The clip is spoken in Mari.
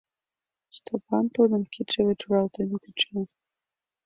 Стопан тудым кидше гыч руалтен куча.